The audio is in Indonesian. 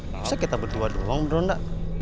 bisa kita berdua doang beronda